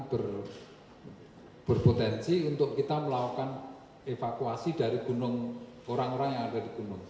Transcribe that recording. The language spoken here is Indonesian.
karena itu akan berpotensi untuk kita melakukan evakuasi dari gunung orang orang yang ada di gunung